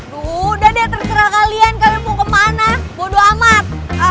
duh udah deh terserah kalian kalian mau kemana bodoh amat